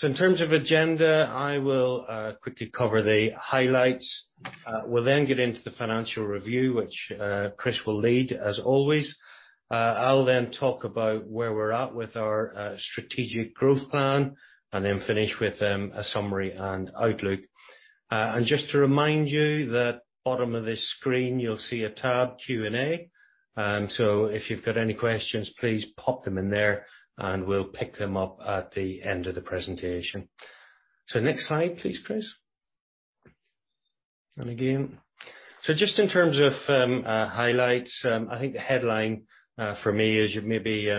In terms of agenda, I will quickly cover the highlights. We'll then get into the financial review, which Chris will lead as always. I'll then talk about where we're at with our strategic growth plan, and then finish with a summary and outlook. Just to remind you that at the bottom of this screen you'll see a tab Q&A, and so if you've got any questions, please pop them in there and we'll pick them up at the end of the presentation. Next slide, please, Chris. Again. Just in terms of highlights, I think the headline for me is you've maybe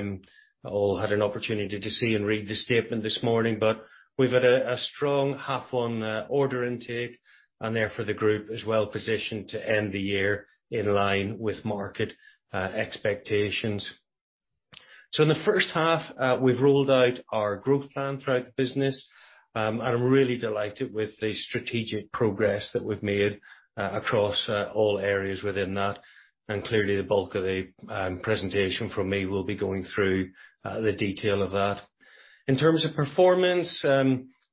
all had an opportunity to see and read the statement this morning, but we've had a strong half on order intake and therefore the group is well positioned to end the year in line with market expectations. In the first half, we've rolled out our growth plan throughout the business. I'm really delighted with the strategic progress that we've made across all areas within that. Clearly the bulk of the presentation from me will be going through the detail of that. In terms of performance,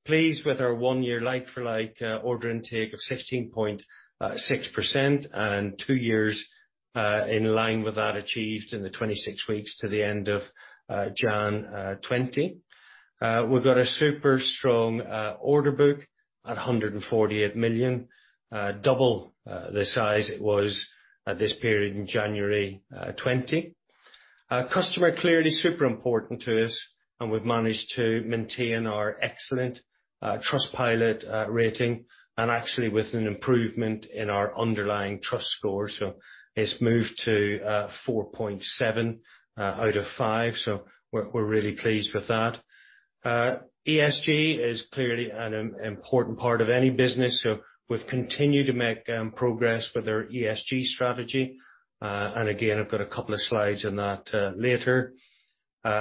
pleased with our one-year like-for-like order intake of 16.6% and two years in line with that achieved in the 26 weeks to the end of January 2020. We've got a super strong order book at 148 million, double the size it was at this period in January 2020. Customer clearly super important to us, and we've managed to maintain our excellent Trustpilot rating, and actually with an improvement in our underlying trust score. So it's moved to 4.7 out of 5. So we're really pleased with that. ESG is clearly an important part of any business, so we've continued to make progress with our ESG strategy. Again, I've got a couple of slides on that later.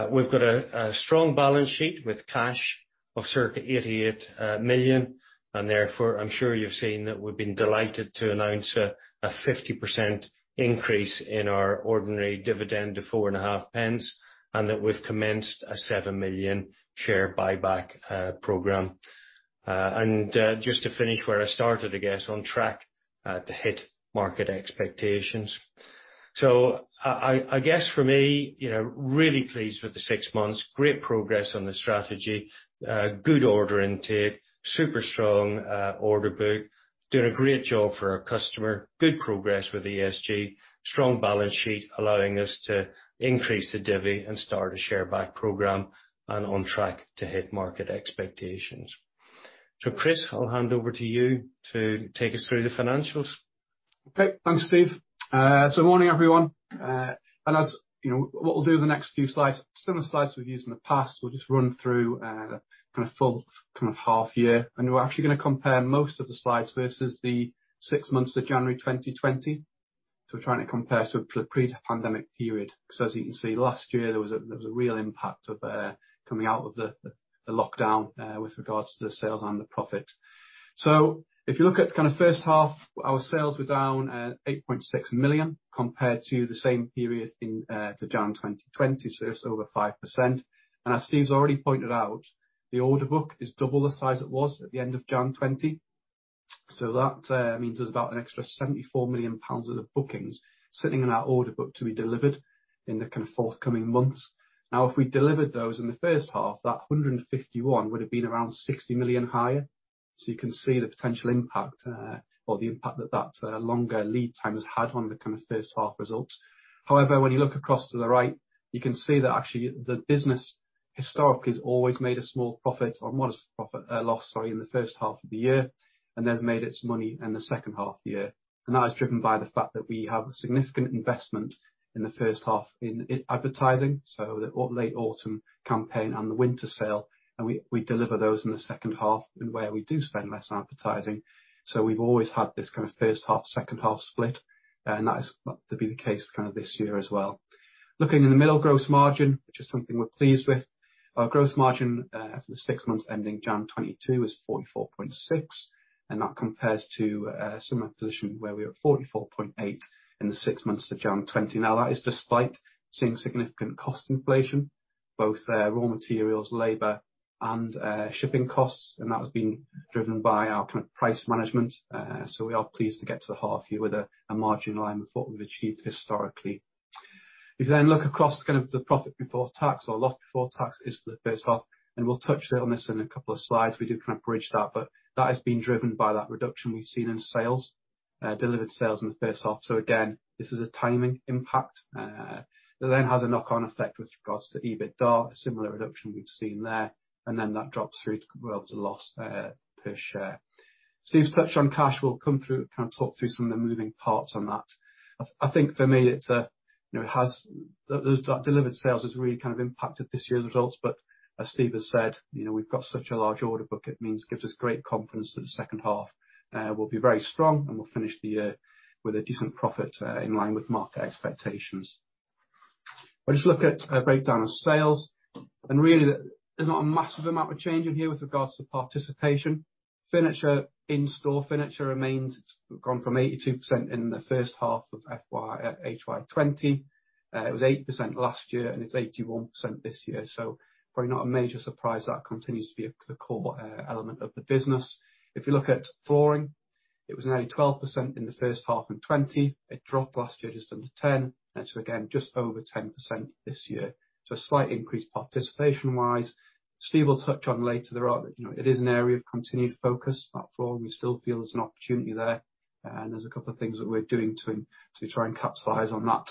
We've got a strong balance sheet with cash of circa 88 million, and therefore I'm sure you've seen that we've been delighted to announce a 50% increase in our ordinary dividend to 4.5 pence, and that we've commenced a 7 million share buyback program. Just to finish where I started, I guess on track to hit market expectations. I guess for me, you know, really pleased with the six months, great progress on the strategy, good order intake, super strong order book, doing a great job for our customer, good progress with ESG, strong balance sheet allowing us to increase the divvy and start a share buyback program, and on track to hit market expectations. Chris, I'll hand over to you to take us through the financials. Okay. Thanks, Steve. Morning, everyone. As you know, what we'll do in the next few slides, similar slides we've used in the past, we'll just run through kind of full half year, and we're actually gonna compare most of the slides versus the six months to January 2020. We're trying to compare to the pre-pandemic period, 'cause as you can see, last year there was a real impact of coming out of the lockdown with regards to the sales and the profit. If you look at kind of first half, our sales were down 8.6 million compared to the same period to January 2020, so just over 5%. As Steve's already pointed out, the order book is double the size it was at the end of January 2020. That means there's about an extra 74 million pounds worth of bookings sitting in our order book to be delivered in the kind of forthcoming months. Now, if we delivered those in the first half, that 151 would've been around 60 million higher. You can see the potential impact or the impact that longer lead time has had on the kind of first half results. However, when you look across to the right, you can see that actually the business historically has always made a small profit or modest profit, loss, sorry, in the first half of the year and then has made its money in the second half of the year. That is driven by the fact that we have a significant investment in the first half in advertising, so the late autumn campaign and the winter sale, and we deliver those in the second half where we do spend less on advertising. We've always had this kind of first half, second half split. That is about to be the case kind of this year as well. Looking at the middle gross margin, which is something we're pleased with. Our gross margin for the six months ending January 2022 is 44.6%, and that compares to a similar position where we were at 44.8% in the six months to January 2020. Now that is despite seeing significant cost inflation, both raw materials, labor, and shipping costs, and that has been driven by our kind of price management. We are pleased to get to the half year with a margin line with what we've achieved historically. If you then look across kind of the profit before tax or loss before tax is for the first half, and we'll touch on this in a couple of slides. We do kind of bridge that, but that has been driven by that reduction we've seen in sales, delivered sales in the first half. Again, this is a timing impact, that then has a knock-on effect with regards to EBITDA, a similar reduction we've seen there, and then that drops through to, well, to loss per share. Steve's touched on cash. We'll come through and kind of talk through some of the moving parts on that. I think for me, you know, that delivered sales has really kind of impacted this year's results, but as Steve has said, you know, we've got such a large order book. It means it gives us great confidence that the second half will be very strong, and we'll finish the year with a decent profit in line with market expectations. If I just look at a breakdown of sales, really there's not a massive amount of change in here with regards to proportion. In-store furniture remains. It's gone from 82% in the first half of FY 2020. It was 82% last year, and it's 81% this year, so probably not a major surprise. That continues to be the core element of the business. If you look at flooring, it was nearly 12% in the first half of 2020. It dropped last year just under 10%. It was again just over 10% this year. Slightly increased participation-wise. Steve will touch on later. It is an area of continued focus, but overall, we still feel there's an opportunity there, and there's a couple of things that we're doing to try and capitalize on that.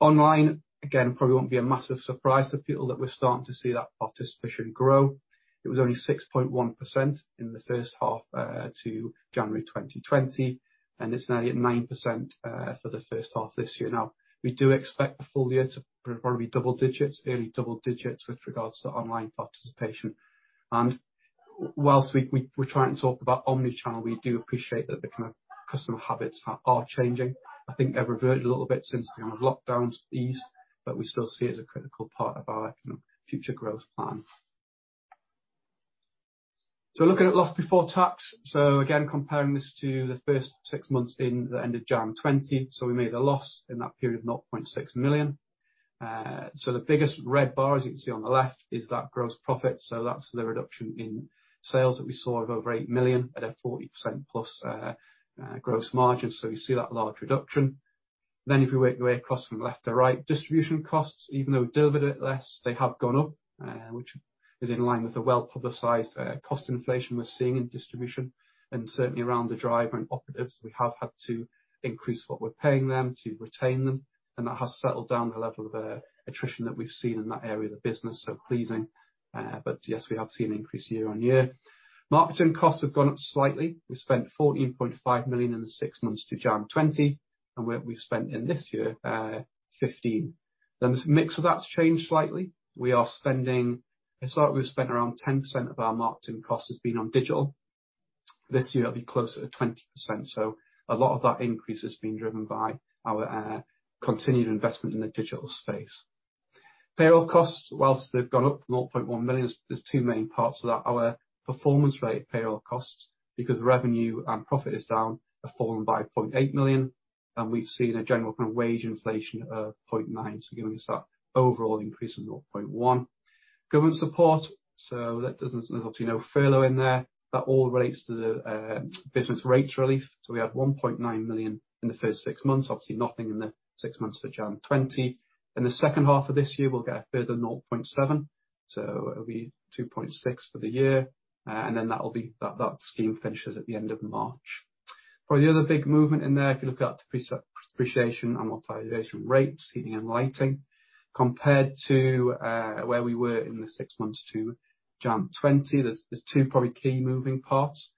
Online, again, probably won't be a massive surprise to people that we're starting to see that participation grow. It was only 6.1% in the first half to January 2020, and it's now 9% for the first half this year. We do expect the full year to probably double digits, early double digits with regards to online participation. Whilst we're trying to talk about omnichannel, we do appreciate that the kind of customer habits are changing. I think they've reverted a little bit since the kind of lockdowns eased, but we still see it as a critical part of our, you know, future growth plan. Looking at loss before tax. Again, comparing this to the first six months ended January 2020. We made a loss in that period of 0.6 million. The biggest red bar, as you can see on the left, is that gross profit. That's the reduction in sales that we saw of over 8 million at a 40%+ gross margin. You see that large reduction. If you work your way across from left to right, distribution costs, even though delivered it less, they have gone up, which is in line with the well-publicized, cost inflation we're seeing in distribution. Certainly around the driver and operatives, we have had to increase what we're paying them to retain them, and that has settled down the level of, attrition that we've seen in that area of the business. Pleasing, but yes, we have seen an increase year-over-year. Marketing costs have gone up slightly. We spent 14.5 million in the six months to January 2020, and we've spent in this year, 15 million. Now, the mix of that's changed slightly. We are spending I thought we've spent around 10% of our marketing costs has been on digital. This year, it'll be closer to 20%. A lot of that increase has been driven by our continued investment in the digital space. Payroll costs, while they've gone up 0.1 million, there's two main parts to that. Our performance rate payroll costs, because revenue and profit is down, have fallen by 0.8 million, and we've seen a general kind of wage inflation of 0.9%. Giving us that overall increase of 0.1 million. Government support, there's obviously no furlough in there. That all relates to the business rates relief. We had 1.9 million in the first six months, obviously nothing in the six months to January 2020. In the second half of this year, we'll get a further 0.7 million. It'll be 2.6 million for the year. Then that will be. That scheme finishes at the end of March. Probably the other big movement in there, if you look at depreciation and amortization rates, heating and lighting, compared to where we were in the six months to January 2020, there's two probably key moving parts.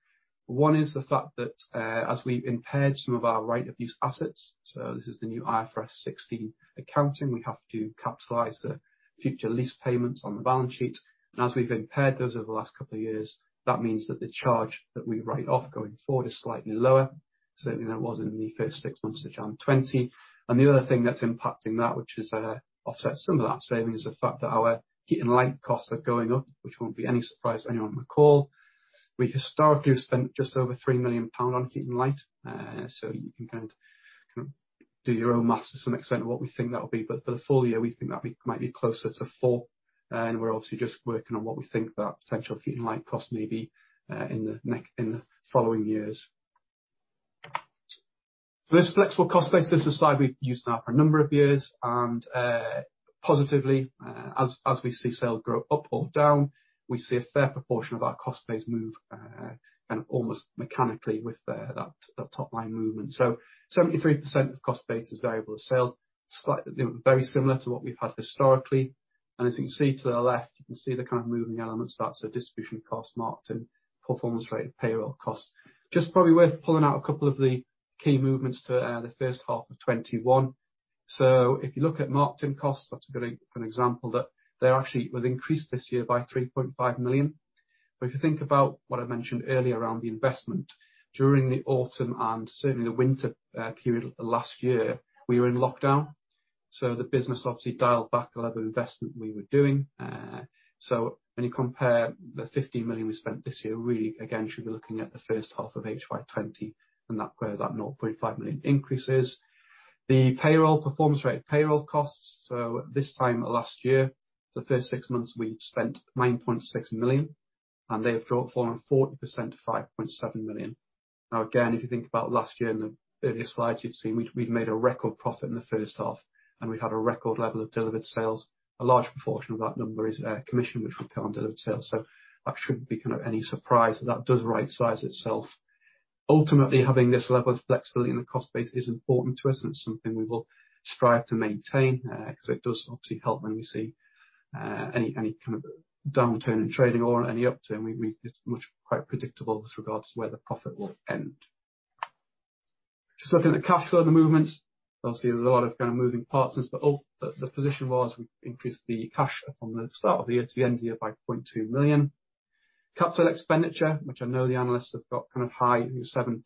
One is the fact that, as we've impaired some of our right-of-use assets, so this is the new IFRS 16 accounting. We have to capitalize the future lease payments on the balance sheet. As we've impaired those over the last couple of years, that means that the charge that we write off going forward is slightly lower, certainly than it was in the first six months to January 2020. The other thing that's impacting that, which is offset some of that savings, is the fact that our heat and light costs are going up, which won't be any surprise to anyone on the call. We historically have spent just over 3 million pound on heat and light. So you can kind of do your own math to some extent of what we think that'll be. For the full year, we think that'll be, might be closer to GBP 4 million. We're obviously just working on what we think that potential heat and light cost may be in the following years. This flexible cost base, this is a slide we've used now for a number of years. Positively, as we see sales grow up or down, we see a fair proportion of our cost base move, and almost mechanically with that top-line movement. 73% of cost base is variable to sales. Slightly. You know, very similar to what we've had historically. As you can see to the left, you can see the kind of moving elements. That's the distribution costs, marketing, performance-related payroll costs. It's probably worth pulling out a couple of the key movements for the first half of 2021. If you look at marketing costs, that's a good an example that they actually will increase this year by 3.5 million. If you think about what I mentioned earlier around the investment, during the autumn and certainly the winter period last year, we were in lockdown, so the business obviously dialed back the level of investment we were doing. When you compare the 50 million we spent this year, really, again, should be looking at the first half of FY 2020 and that, where that 0.5 million increase is. The payroll performance-related payroll costs, this time last year, the first six months, we'd spent 9.6 million, and they've dropped, fallen 40% to 5.7 million. Now, again, if you think about last year and the earlier slides you've seen, we'd made a record profit in the first half, and we had a record level of delivered sales. A large proportion of that number is commission which we put on delivered sales. That shouldn't be kind of any surprise that that does right-size itself. Ultimately, having this level of flexibility in the cost base is important to us, and it's something we will strive to maintain, 'cause it does obviously help when we see any kind of downturn in trading or any upturn. It's much more predictable with regards to where the profit will end. Just looking at cash flow, the movements, obviously there's a lot of kind of moving parts. The position was we increased the cash from the start of the year to the end of the year by 0.2 million. Capital expenditure, which I know the analysts have got kind of high, +7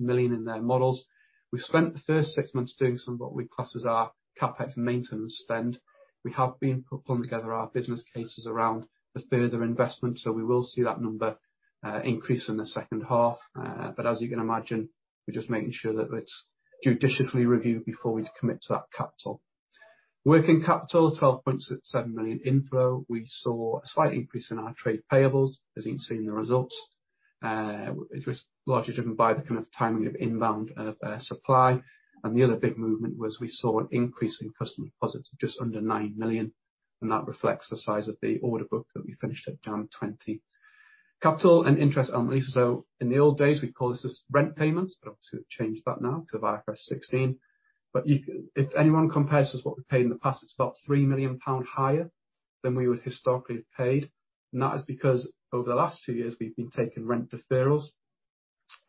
million in their models. We spent the first six months doing some of what we class as our CapEx maintenance spend. We have been putting together our business cases around the further investment, so we will see that number increase in the second half. As you can imagine, we're just making sure that it's judiciously reviewed before we commit to that capital. Working capital, 12.7 million inflow. We saw a slight increase in our trade payables, as you can see in the results. It was largely driven by the kind of timing of inbound supply. The other big movement was we saw an increase in customer deposits of just under 9 million, and that reflects the size of the order book that we finished at down 20%. Capital and interest on leases. In the old days, we'd call this as rent payments, but obviously we've changed that now to IFRS 16. You can if anyone compares to what we paid in the past, it's about 3 million pound higher than we would historically have paid. That is because over the last two years, we've been taking rent deferrals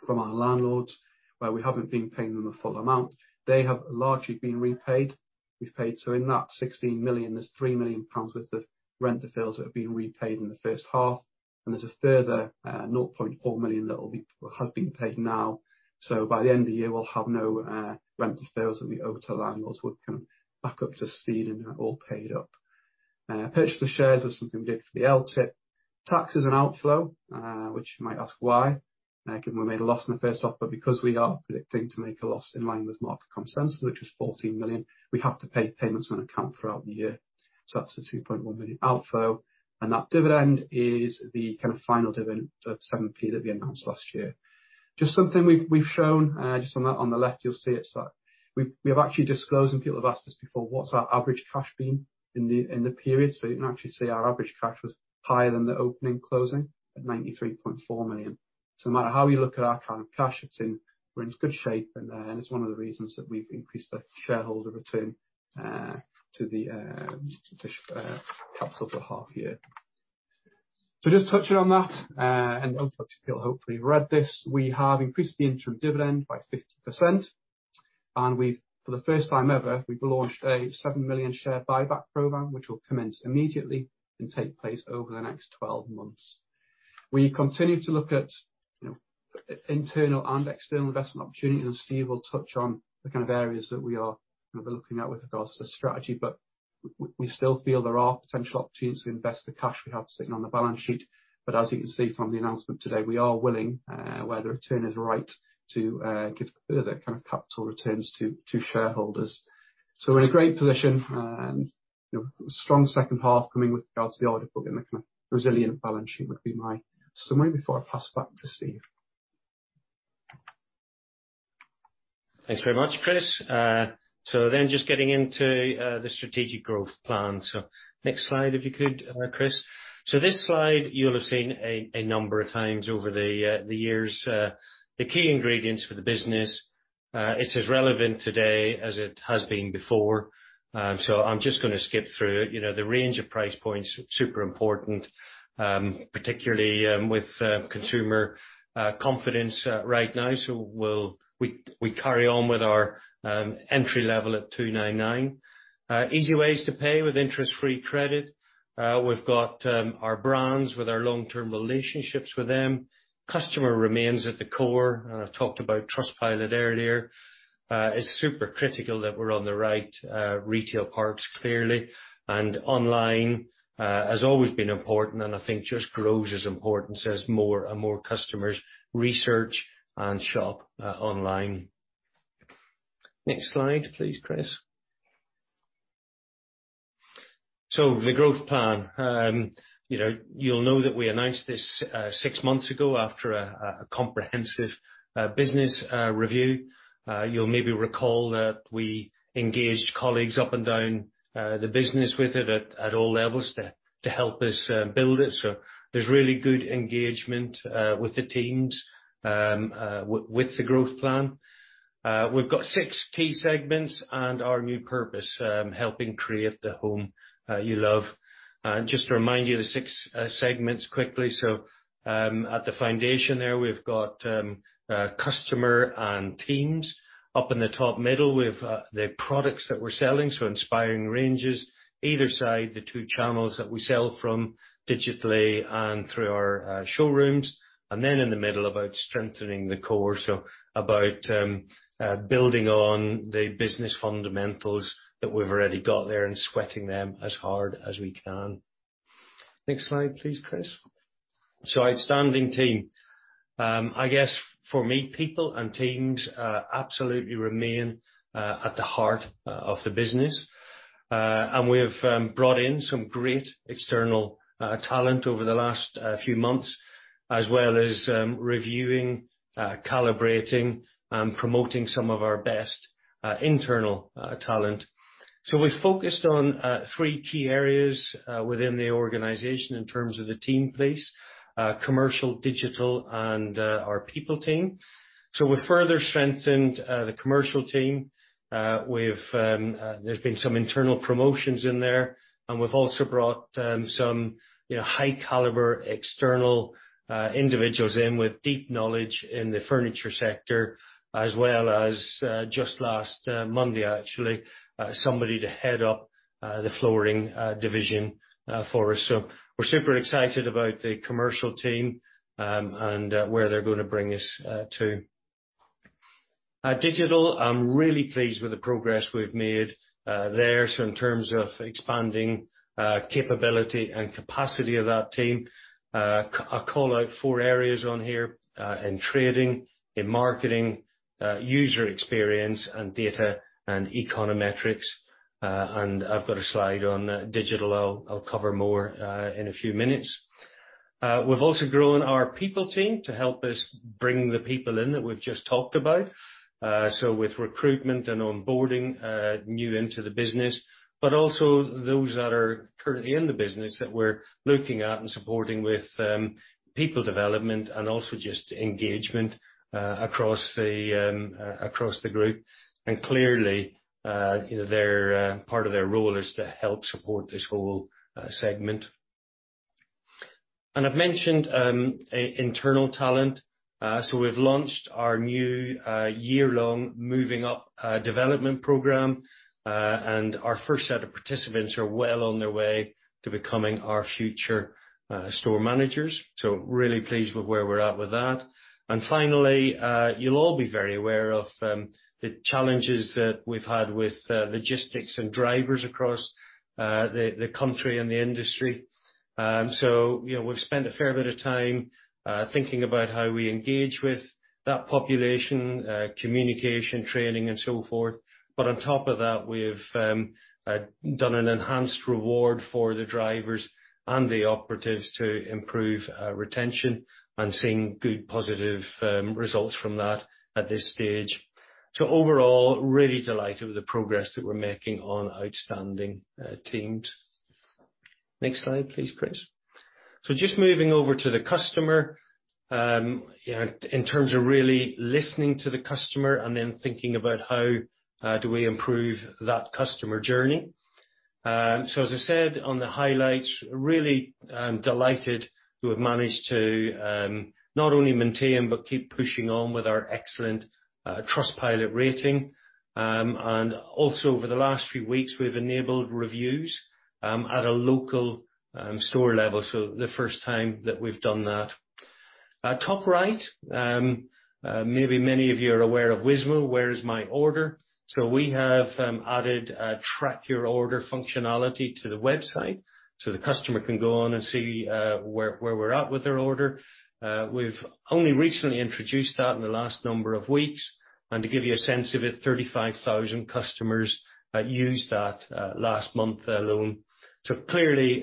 from our landlords, where we haven't been paying them the full amount. They have largely been repaid. We've paid. In that 16 million, there's 3 million pounds worth of rent deferrals that have been repaid in the first half, and there's a further 0.4 million that has been paid now. By the end of the year, we'll have no rent deferrals that we owe to landlords. We've come back up to speed and are all paid up. Purchase of shares was something we did for the LTIP. Tax is an outflow, which you might ask why, given we made a loss in the first half, but because we are predicting to make a loss in line with market consensus, which was 14 million, we have to pay payments on account throughout the year. That's the 2.1 million outflow. That dividend is the kind of final dividend of 7p that we announced last year. Just something we've shown just on the left, you'll see it. We have actually disclosed, and people have asked us before, what's our average cash been in the period? You can actually see our average cash was higher than the opening closing at 93.4 million. No matter how you look at our kind of cash, we're in good shape, and it's one of the reasons that we've increased the shareholder return to the capital for half year. Just touching on that, and obviously people hopefully read this, we have increased the interim dividend by 50%, and we've, for the first time ever, launched a 7 million share buyback program, which will commence immediately and take place over the next 12 months. We continue to look at, you know, internal and external investment opportunities. Steve will touch on the kind of areas that we are kind of looking at with regards to the strategy, but we still feel there are potential opportunities to invest the cash we have sitting on the balance sheet. As you can see from the announcement today, we are willing, where the return is right, to give further kind of capital returns to shareholders. We're in a great position, you know, strong second half coming with regards to the order book, and the kind of resilient balance sheet would be my summary before I pass back to Steve. Thanks very much, Chris. Just getting into the strategic growth plan. Next slide if you could, Chris. This slide, you'll have seen a number of times over the years. The key ingredients for the business. It's as relevant today as it has been before. I'm just gonna skip through. You know, the range of price points, super important, particularly with consumer confidence right now. We'll carry on with our entry level at 299. Easy ways to pay with interest-free credit. We've got our brands with our long-term relationships with them. Customer remains at the core, and I talked about Trustpilot earlier. It's super critical that we're on the right retail parks, clearly. Online has always been important, and I think just grows as important as more and more customers research and shop online. Next slide, please, Chris. The growth plan. You know, you'll know that we announced this six months ago after a comprehensive business review. You'll maybe recall that we engaged colleagues up and down the business with it at all levels to help us build it. There's really good engagement with the teams with the growth plan. We've got six key segments and our new purpose, helping create the home you love. Just to remind you, the six segments quickly. At the foundation there, we've got customer and teams. Up in the top middle, we have the products that we're selling, so inspiring ranges. Either side, the two channels that we sell from digitally and through our showrooms. In the middle, about strengthening the core, so about building on the business fundamentals that we've already got there and sweating them as hard as we can. Next slide, please, Chris. Outstanding team. I guess for me, people and teams absolutely remain at the heart of the business. We've brought in some great external talent over the last few months, as well as reviewing, calibrating, and promoting some of our best internal talent. We focused on three key areas within the organization in terms of team placement, Commercial, Digital, and our People Team. We've further strengthened the commercial team. There's been some internal promotions in there, and we've also brought some, you know, high caliber external individuals in with deep knowledge in the furniture sector, as well as just last Monday actually somebody to head up the flooring division for us. We're super excited about the commercial team and where they're gonna bring us to. Digital, I'm really pleased with the progress we've made there so in terms of expanding capability and capacity of that team. I call out four areas on here in trading, in marketing, user experience, and data and econometrics. I've got a slide on digital I'll cover more in a few minutes. We've also grown our people team to help us bring the people in that we've just talked about. So with recruitment and onboarding new into the business, but also those that are currently in the business that we're looking at and supporting with people development and also just engagement across the group. Clearly, you know, their part of their role is to help support this whole segment. I've mentioned an internal talent. We've launched our new year-long Moving Up development program. Our first set of participants are well on their way to becoming our future store managers, so really pleased with where we're at with that. Finally, you'll all be very aware of the challenges that we've had with logistics and drivers across the country and the industry. You know, we've spent a fair bit of time thinking about how we engage with that population, communication, training, and so forth. On top of that, we've done an enhanced reward for the drivers and the operatives to improve retention and seeing good, positive results from that at this stage. Overall, really delighted with the progress that we're making on outstanding teams. Next slide, please, Chris. Just moving over to the customer, you know, in terms of really listening to the customer and then thinking about how do we improve that customer journey. As I said on the highlights, really, I'm delighted to have managed to not only maintain but keep pushing on with our excellent Trustpilot rating. Also over the last few weeks, we've enabled reviews at a local store level, so the first time that we've done that. At top right, maybe many of you are aware of WMO, Where's My Order. We have added a Track Your Order functionality to the website so the customer can go on and see where we're at with their order. We've only recently introduced that in the last number of weeks. To give you a sense of it, 35,000 customers used that last month alone. Clearly,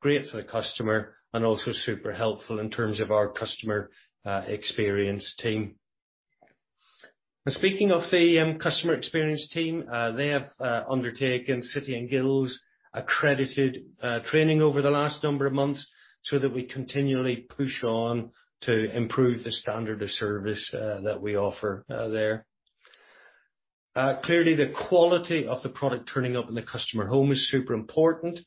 great for the customer and also super helpful in terms of our customer experience team. Speaking of the customer experience team, they have undertaken City & Guilds accredited training over the last number of months so that we continually push on to improve the standard of service that we offer there. Clearly, the quality of the product turning up in the customer home is super important.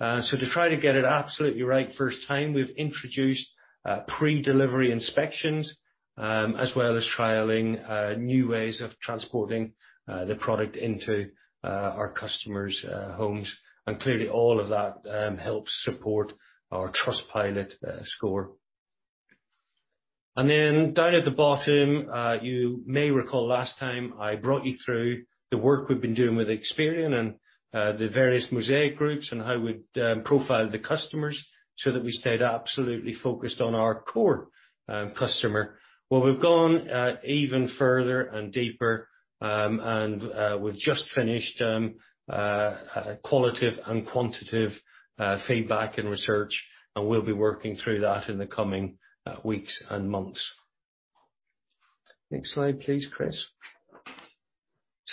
To try to get it absolutely right first time, we've introduced pre-delivery inspections, as well as trialing new ways of transporting the product into our customers' homes. Clearly, all of that helps support our Trustpilot score. Down at the bottom, you may recall last time I brought you through the work we've been doing with Experian and the various Mosaic groups and how we'd profile the customers so that we stayed absolutely focused on our core customer. Well, we've gone even further and deeper, and we've just finished a qualitative and quantitative feedback and research, and we'll be working through that in the coming weeks and months. Next slide, please, Chris.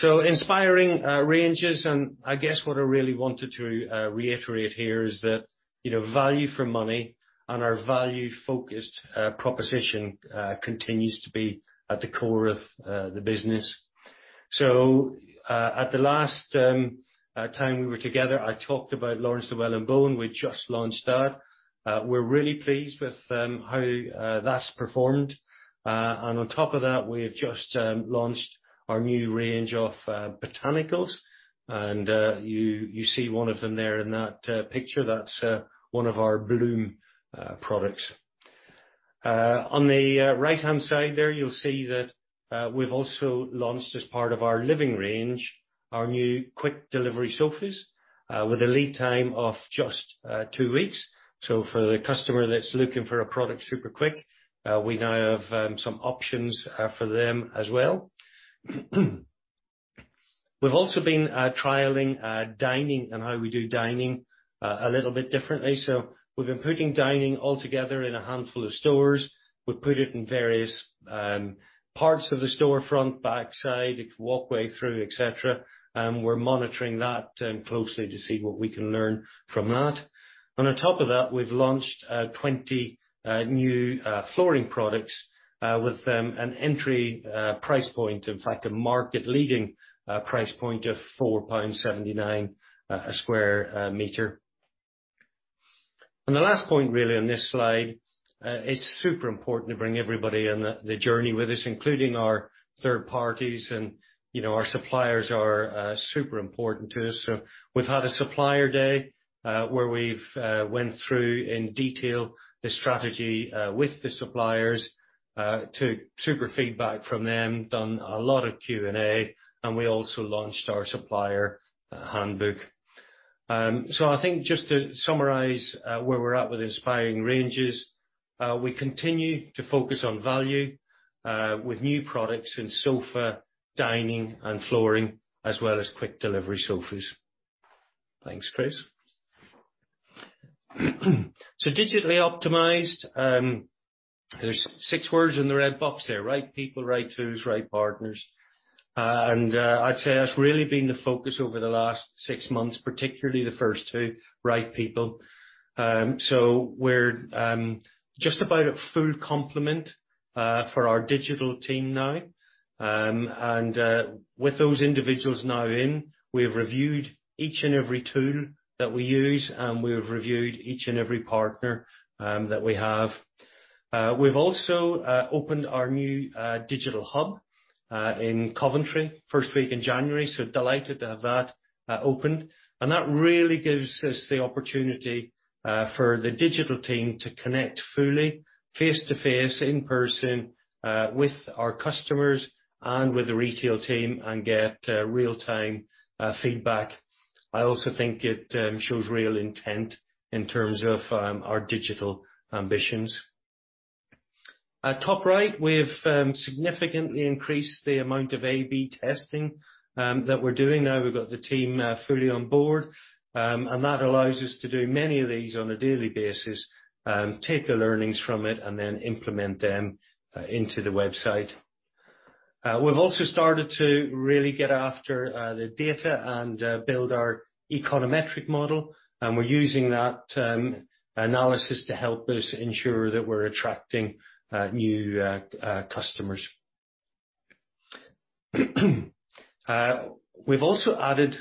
Inspiring ranges, and I guess what I really wanted to reiterate here is that, you know, value for money and our value-focused proposition continues to be at the core of the business. At the last time we were together, I talked about Laurence Llewelyn-Bowen. We just launched that. We're really pleased with how that's performed. On top of that, we have just launched our new range of Botanicals. You see one of them there in that picture. That's one of our Bloom products. On the right-hand side there, you'll see that we've also launched as part of our living range, our new quick delivery sofas with a lead time of just two weeks. For the customer that's looking for a product super quick, we now have some options for them as well. We've also been trialing dining and how we do dining a little bit differently. We've been putting dining all together in a handful of stores. We've put it in various parts of the storefront, backside, walkway through, et cetera, and we're monitoring that closely to see what we can learn from that. On top of that, we've launched 20 new flooring products with an entry price point, in fact, a market leading price point of 4.79 pound/sq m. The last point really on this slide, it's super important to bring everybody on the journey with us, including our third parties, and, you know, our suppliers are super important to us. We've had a supplier day, where we've went through in detail the strategy with the suppliers, took superb feedback from them, done a lot of Q&A, and we also launched our supplier handbook. I think just to summarize, where we're at with inspiring ranges, we continue to focus on value with new products in sofa, dining, and flooring, as well as quick delivery sofas. Thanks, Chris. Digitally optimized, there's six words in the red box there, right people, right tools, right partners. I'd say that's really been the focus over the last six months, particularly the first two, right people. We're just about at full complement for our digital team now. With those individuals now in, we have reviewed each and every tool that we use, and we have reviewed each and every partner that we have. We've also opened our new digital hub in Coventry first week in January. I'm delighted to have that opened. That really gives us the opportunity for the digital team to connect fully face-to-face, in-person, with our customers and with the retail team and get real-time feedback. I also think it shows real intent in terms of our digital ambitions. At top right, we've significantly increased the amount of A/B testing that we're doing. Now we've got the team fully on board. That allows us to do many of these on a daily basis, take the learnings from it, and then implement them into the website. We've also started to really get after the data and build our econometric model, and we're using that analysis to help us ensure that we're attracting new customers. We've also added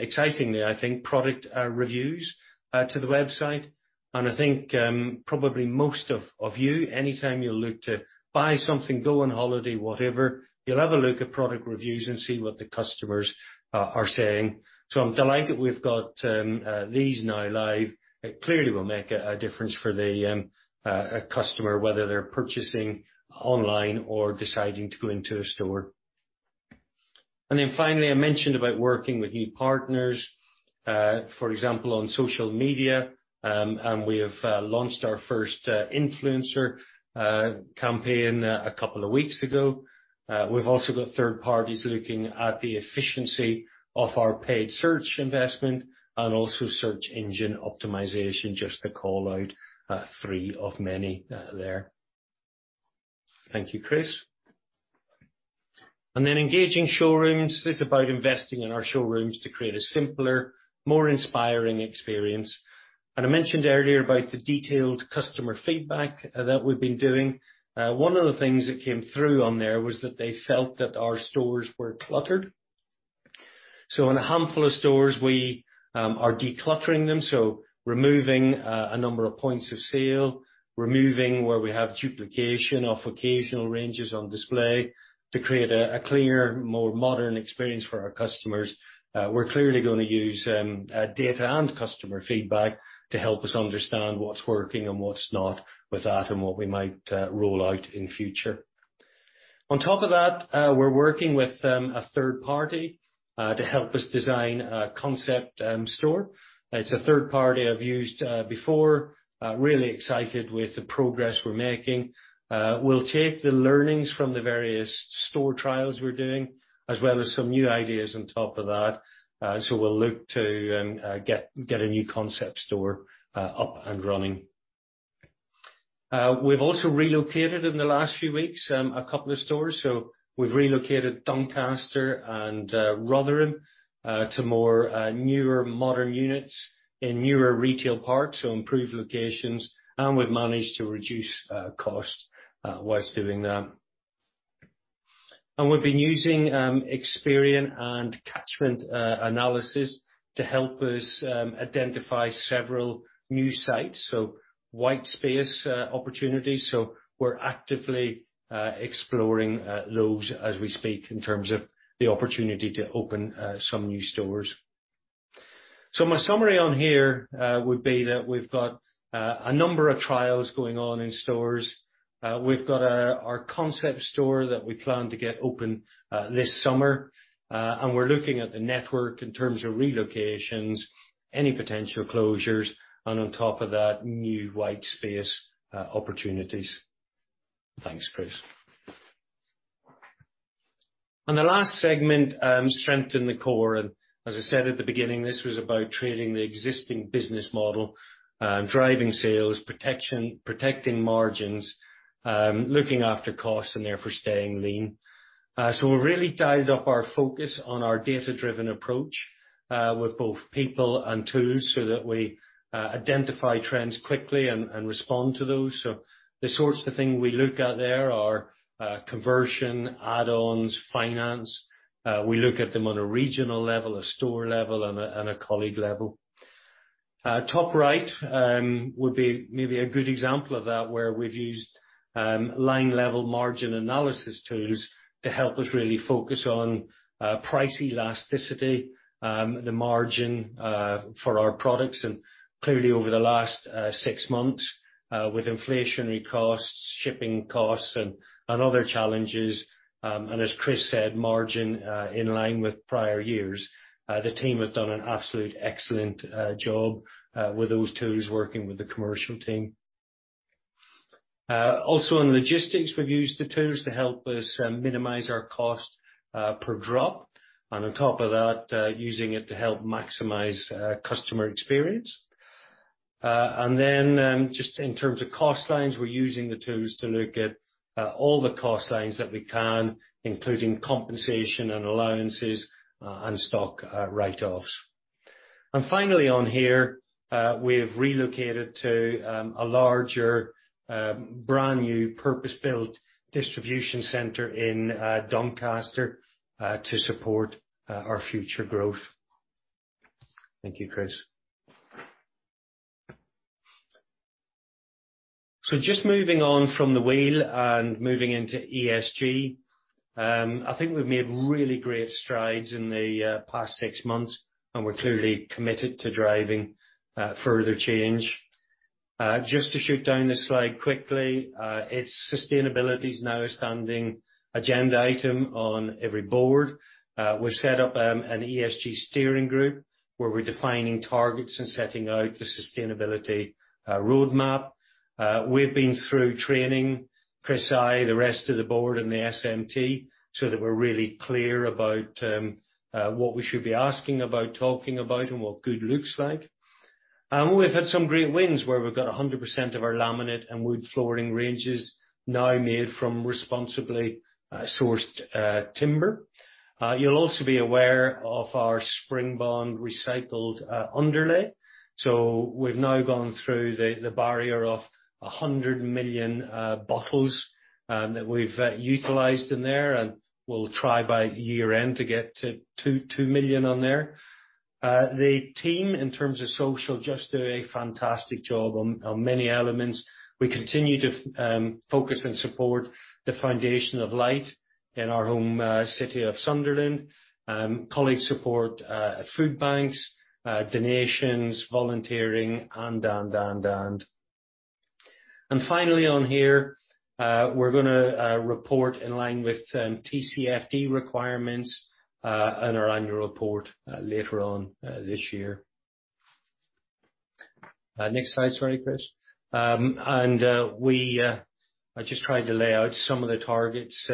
excitingly, I think, product reviews to the website, and I think, probably most of you, anytime you look to buy something, go on holiday, whatever, you'll have a look at product reviews and see what the customers are saying. I'm delighted we've got these now live. It clearly will make a difference for a customer, whether they're purchasing online or deciding to go into a store. Finally, I mentioned about working with new partners, for example, on social media, and we have launched our first influencer campaign a couple of weeks ago. We've also got third parties looking at the efficiency of our paid search investment and also search engine optimization, just to call out three of many there. Thank you, Chris. Engaging showrooms. This is about investing in our showrooms to create a simpler, more inspiring experience. I mentioned earlier about the detailed customer feedback that we've been doing. One of the things that came through on there was that they felt that our stores were cluttered. In a handful of stores, we are decluttering them, so removing a number of points of sale, removing where we have duplication of occasional ranges on display to create a clearer, more modern experience for our customers. We're clearly gonna use data and customer feedback to help us understand what's working and what's not with that and what we might roll out in future. On top of that, we're working with a third party to help us design a concept store. It's a third party I've used before. Really excited with the progress we're making. We'll take the learnings from the various store trials we're doing, as well as some new ideas on top of that. We'll look to get a new concept store up and running. We've also relocated a couple of stores in the last few weeks. We've relocated Doncaster and Rotherham to more newer modern units in newer retail parks, so improved locations, and we've managed to reduce cost while doing that. We've been using Experian and catchment analysis to help us identify several new sites, so white space opportunities. We're actively exploring those as we speak in terms of the opportunity to open some new stores. My summary on here would be that we've got a number of trials going on in stores. We've got our concept store that we plan to get open this summer, and we're looking at the network in terms of relocations, any potential closures, and on top of that, new white space opportunities. Thanks, Chris. The last segment, strengthen the core. As I said at the beginning, this was about trading the existing business model, driving sales, protecting margins, looking after costs and therefore staying lean. We've really dialed up our focus on our data-driven approach with both people and tools so that we identify trends quickly and respond to those. The sorts of thing we look at there are conversion, add-ons, finance. We look at them on a regional level, a store level, and a colleague level. Top right would be maybe a good example of that, where we've used line-level margin analysis tools to help us really focus on price elasticity, the margin for our products. Clearly over the last six months with inflationary costs, shipping costs, and other challenges, and as Chris said, margin in line with prior years, the team has done an absolutely excellent job with those tools, working with the commercial team. Also in logistics, we've used the tools to help us minimize our cost per drop, and on top of that, using it to help maximize customer experience. Then, just in terms of cost lines, we're using the tools to look at all the cost lines that we can, including compensation and allowances, and stock write-offs. Finally on here, we have relocated to a larger brand-new purpose-built distribution center in Doncaster to support our future growth. Thank you, Chris. Just moving on from the wheel and moving into ESG. I think we've made really great strides in the past six months, and we're clearly committed to driving further change. Just to shoot down this slide quickly, sustainability is now a standing agenda item on every board. We've set up an ESG steering group where we're defining targets and setting out the sustainability roadmap. We've been through training, Chris, I, the rest of the board and the SMT, so that we're really clear about what we should be asking about, talking about, and what good looks like. We've had some great wins where we've got 100% of our laminate and wood flooring ranges now made from responsibly sourced timber. You'll also be aware of our SpringBond recycled underlay. We've now gone through the barrier of 100 million bottles that we've utilized in there, and we'll try by year-end to get to 2 million on there. The team, in terms of social, just do a fantastic job on many elements. We continue to focus and support the Foundation of Light in our home city of Sunderland. Colleagues support food banks, donations, volunteering. Finally on here, we're gonna report in line with TCFD requirements on our annual report later on this year. Next slide. Sorry, Chris. I just tried to lay out some of the targets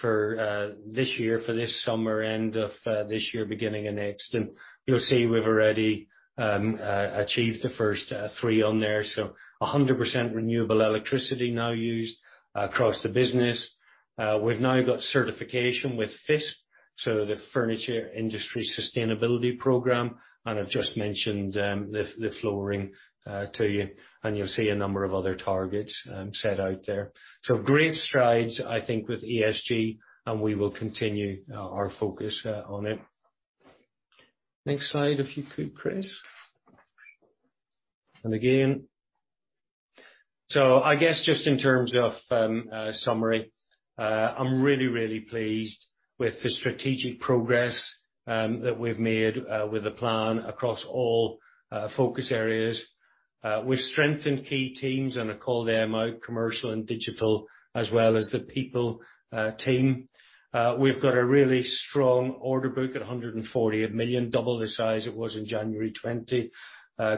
for this year for this summer and the beginning of next year, and you'll see we've already achieved the first three on there. 100% renewable electricity now used across the business. We've now got certification with FISP, so the Furniture Industry Sustainability Programme, and I've just mentioned the flooring to you, and you'll see a number of other targets set out there. Great strides, I think, with ESG, and we will continue our focus on it. Next slide, if you could, Chris. Again. I guess just in terms of summary, I'm really pleased with the strategic progress that we've made with the plan across all focus areas. We've strengthened key teams and I called them out, commercial and digital, as well as the people team. We've got a really strong order book at 148 million, double the size it was in January 2020.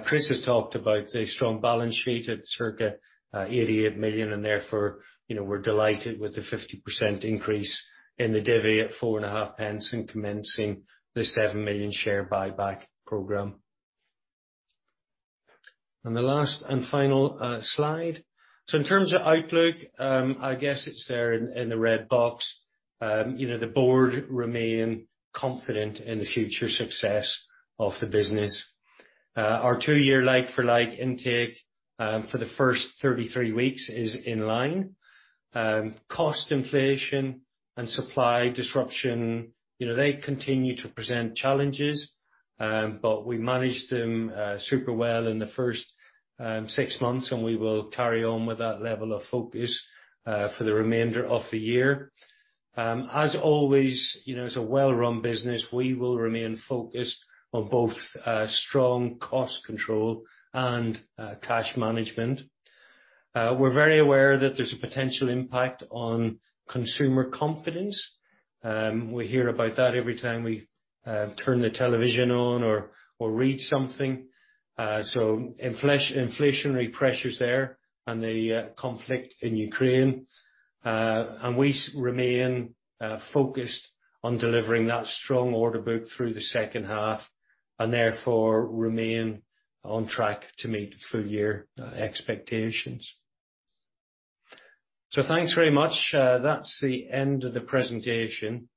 Chris has talked about the strong balance sheet at circa 88 million, and therefore, you know, we're delighted with the 50% increase in the divvy at 4.5 pence and commencing the 7 million share buyback program. The last and final slide. In terms of outlook, I guess it's there in the red box. You know, the board remain confident in the future success of the business. Our two-year like-for-like intake for the first 33 weeks is in line. Cost inflation and supply disruption, you know, they continue to present challenges, but we managed them super well in the first six months, and we will carry on with that level of focus for the remainder of the year. As always, you know, as a well-run business, we will remain focused on both strong cost control and cash management. We're very aware that there's a potential impact on consumer confidence. We hear about that every time we turn the television on or read something. Inflationary pressures there and the conflict in Ukraine. We remain focused on delivering that strong order book through the second half, and therefore remain on track to meet full-year expectations. Thanks very much. That's the end of the presentation.